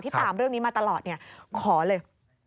ตามเรื่องนี้มาตลอดขอเลย